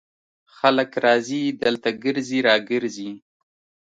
خلک راځي دلته ګرځي را ګرځي.